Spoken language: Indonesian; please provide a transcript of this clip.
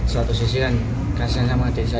suatu sisi kan kasar sama desa